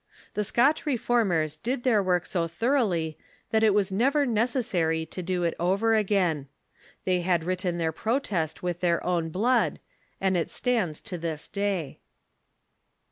The Scotch Reformers did their work so thoroughly that it was never necessary to do it over again. They had written their protest with their own blood, and it stands to this day.